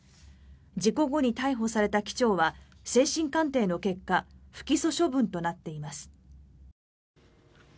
事故後に逮捕された機長は精神鑑定の結果不起訴処分となっています。